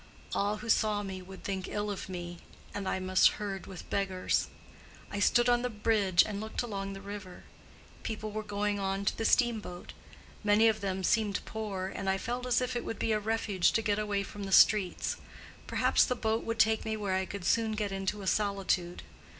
All who saw me would think ill of me, and I must herd with beggars. I stood on the bridge and looked along the river. People were going on to a steamboat. Many of them seemed poor, and I felt as if it would be a refuge to get away from the streets; perhaps the boat would take me where I could soon get into a solitude.